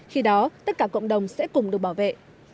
khi đó tất cả cộng đồng sẽ cùng được bảo vệ